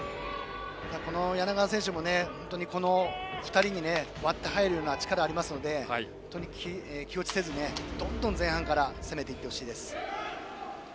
柳川選手もこの２人に割って入るような力がありますので気落ちせずに前半から攻めていってほしいです。